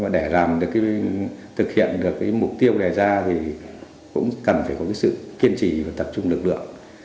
để làm được thực hiện được mục tiêu đề ra thì cũng cần phải có sự kiên trì và tập trung lực lượng